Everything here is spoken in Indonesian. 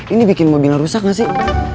ini bikin mobilnya rusak gak sih